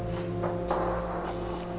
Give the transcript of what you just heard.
tidak ada apa apa